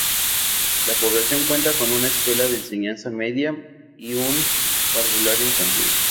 La población cuenta con una escuela de enseñanza media y un parvulario infantil.